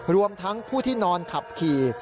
รวมทั้งผู้ที่นอนขับขี่